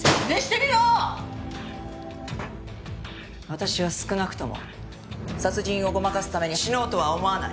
私は少なくとも殺人をごまかすために死のうとは思わない。